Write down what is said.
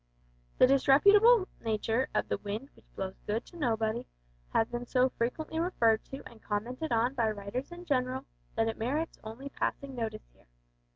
The disreputable nature of the wind which blows good to nobody has been so frequently referred to and commented on by writers in general that it merits only passing notice here.